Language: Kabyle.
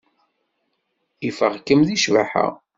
Ifeɣ-kem deg ccbaḥa.